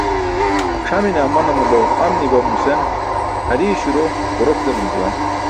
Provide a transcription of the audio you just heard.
C̣ʰamine amanamulo am nibam nusan, hariye śuro ġurok delum juwan.